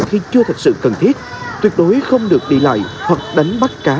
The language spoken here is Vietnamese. khi chưa thật sự cần thiết tuyệt đối không được đi lại hoặc đánh bắt cá